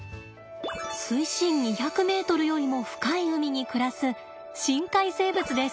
水深２００ｍよりも深い海に暮らす深海生物です。